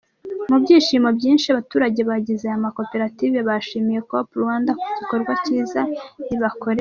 Mu byishimo byinshi, abaturage bagize aya makoperative bashimiye Coop- Rwanda ku gikorwa cyiza ibakoreye.